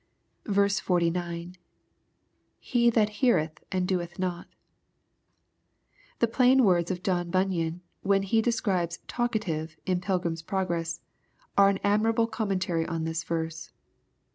49. — [Be thai heareth and doeth not] The plain words of John Bunyan, when he describes Talkative in Pilgrim's Progress, are an admirable commentary on this verse.